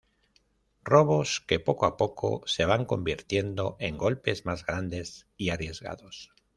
Robos que poco a poco se van convirtiendo en golpes más grandes y arriesgados.